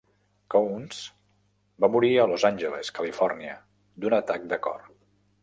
Counce va morir a Los Angeles, Califòrnia, d'un atac de cor.